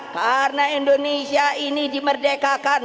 karena indonesia ini dimerdekakan